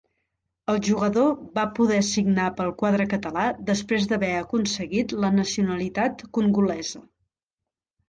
El jugador va poder signar pel quadre català després d'haver aconseguit la nacionalitat congolesa.